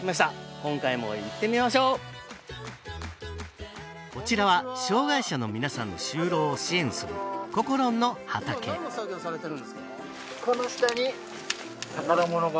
今回も行ってみましょうこちらは障害者の皆さんの就労を支援するこころんの畑ポンポン出てくる何？